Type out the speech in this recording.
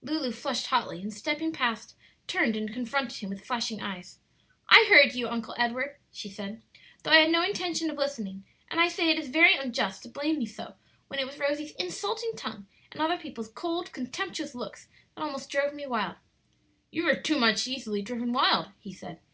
Lulu flushed hotly, and stepping past turned and confronted him with flashing eyes. "I heard you, Uncle Edward," she said, "though I had no intention of listening; and I say it is very unjust to blame me so when it was Rosie's insulting tongue and other people's cold, contemptuous looks that almost drove me wild." "You are much too easily driven wild," he said.